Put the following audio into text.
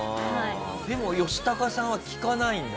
でもヨシタカさんは聞かないんだよね